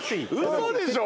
嘘でしょ